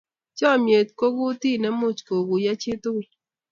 Chamnyet ko kutit ne much kekuiyo chi tugul